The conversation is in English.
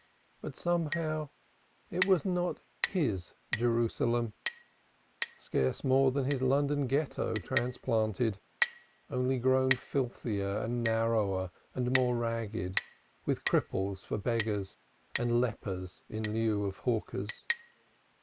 But somehow it was not his Jerusalem scarce more than his London Ghetto transplanted, only grown filthier and narrower and more ragged, with cripples for beggars and lepers in lieu of hawkers.